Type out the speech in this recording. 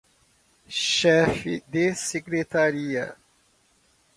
chefe de secretaria